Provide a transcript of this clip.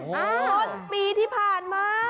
สักปีที่ผ่านมา